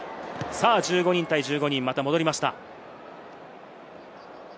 さぁ１５人対１５人にまた戻りました。